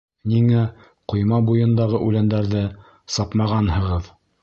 Ниңә ҡойма буйындағы үләндәрҙе сапмағанһығыҙ?